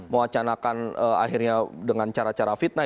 mewacanakan akhirnya dengan cara cara fitnah